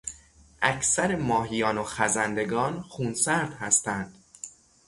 اکثر ماهیان و خزندگان خونسرد هستند.